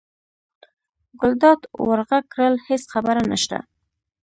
ګلداد ور غږ کړل: هېڅ خبره نشته.